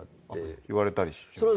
言われたりします。